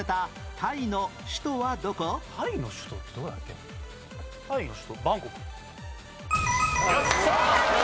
タイの首都バンコク。